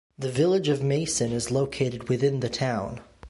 The Village of Mason is located within the town.